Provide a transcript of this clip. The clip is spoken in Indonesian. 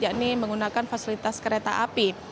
yakni menggunakan fasilitas kereta api